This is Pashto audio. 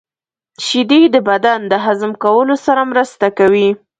• شیدې د بدن د هضم کولو سره مرسته کوي.